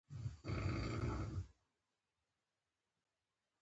اسمايي غر په کابل کې دی